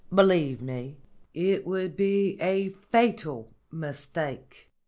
Believe me, it would be a fatal mistake.